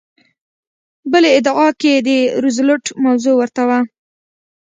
بلې ادعا کې د روزولټ موضوع ورته وه.